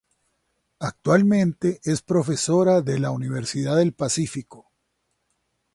Actualmente es profesora de la Universidad del Pacífico.